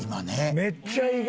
めっちゃ意外。